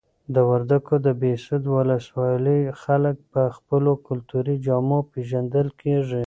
د وردګو د بهسود ولسوالۍ خلک په خپلو کلتوري جامو پیژندل کیږي.